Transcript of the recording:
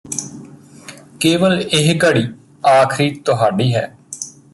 ਕੇਵਲ ਇਹ ਘੜੀ ਆਖਰੀ ਤੁਹਾਡੀ ਹੈ